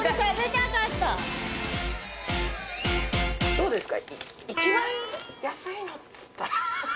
どうですか？